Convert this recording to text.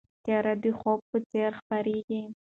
تیاره د خوب په څېر خپرېږي.